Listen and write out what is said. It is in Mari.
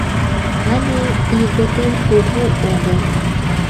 Але ийготем кугу огыл.